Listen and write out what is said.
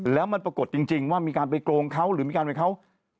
แล้วมันปรากฏจริงว่ามีการไปโกงเขาหรือมีการไปเขา